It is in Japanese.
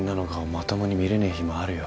まともに見れねえ日もあるよ。